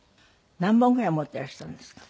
何本ぐらい持っていらしたんですか？